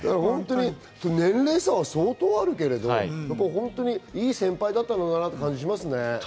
年齢差は相当あるけど、いい先輩だったんだなという感じがしますね。